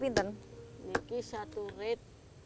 ini satu red